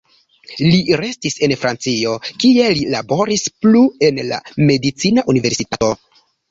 Li restis en Francio, kie li laboris plu en la medicina universitato.